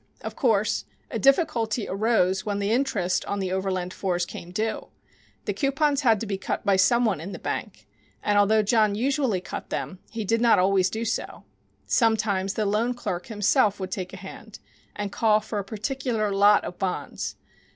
Of course, a difficulty arose when the interest on the Overland 4s came due. The coupons had to be cut by some one in the bank, and although John usually cut them he did not always do so. Sometimes the loan clerk himself would take a hand, and call for a particular lot of bonds.